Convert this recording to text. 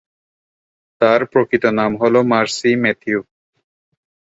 তার প্রকৃত নাম হল মার্সি ম্যাথিউ।